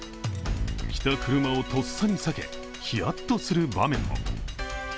来た車をとっさに避けヒヤッとする場面も。